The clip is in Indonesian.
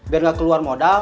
biar gak keluar modal